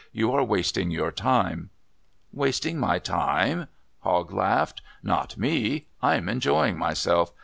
"You are wasting your time." "Wasting my time?" Hogg laughed. "Not me! I'm enjoying myself.